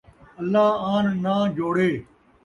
اللہ آن ناں جوڑے